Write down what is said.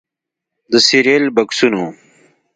د سیریل بکسونو